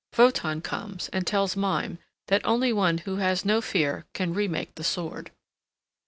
Wotan comes and tells Mime that only one who has no fear can remake the sword.